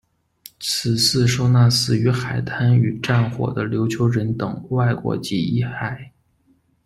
此祠收纳死于海难与战火的琉球人等外国籍遗骸。